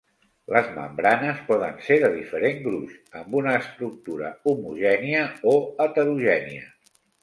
Les membranes poden ser de diferent gruix, amb una estructura homogènia o heterogènia.